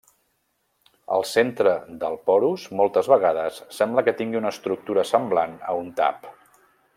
El centre del porus moltes vegades sembla que tingui una estructura semblant a un tap.